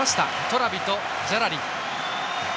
トラビと、ジャラリ。